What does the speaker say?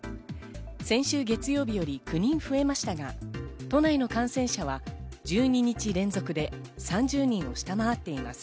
先週月曜日より９人増えましたが、都内の感染者は１２日連続で３０人を下回っています。